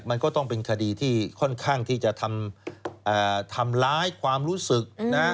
มันก็ต้องเป็นคดีที่ค่อนข้างที่จะทำร้ายความรู้สึกนะ